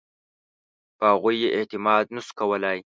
په هغوی یې اعتماد نه شو کولای.